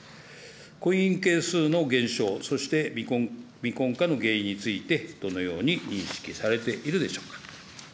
婚姻件数の減少、そして未婚化の原因について、どのように認識されているでしょうか。